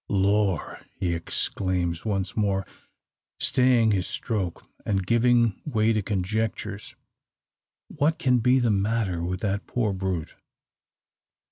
"Lor!" he exclaims once more, staying his stroke, and giving way to conjectures, "what can be the matter with the poor brute?